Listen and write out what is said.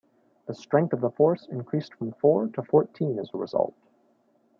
The strength of the force increased from four to fourteen as a result.